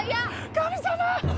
神様！